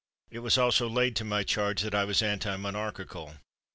It was also laid to my charge that I was anti monarchical.